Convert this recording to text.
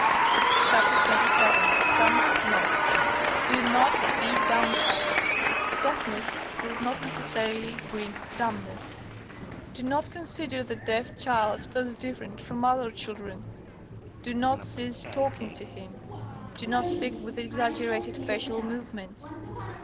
XXVII SOME NOTS Do not be downcast. Deafness does not, necessarily, bring dumbness. Do not consider the deaf child as different from other children. Do not cease talking to him. Do not speak with exaggerated facial movements.